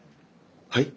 はい？